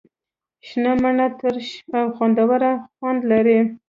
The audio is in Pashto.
شنه مڼه ترش او خوندور خوند لري.